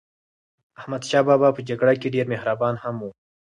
احمدشاه بابا په جګړه کې ډېر مهربان هم و.